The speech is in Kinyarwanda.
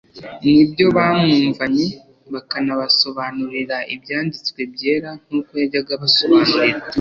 n'ibyo bamwumvanye bakanabasobanurira Ibyanditswe byera nk'uko yajyaga abasobanurira